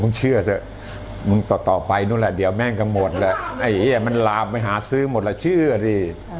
มึงเชื่อเถอะมึงต่อไปนู่นแหละเดี๋ยวแม่งก็หมดแหละไอ่มันราไหล่มาหาซื้อหมดล่ะเชื่อดิ